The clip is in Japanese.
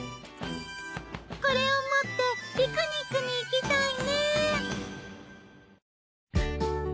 これを持ってピクニックに行きたいね。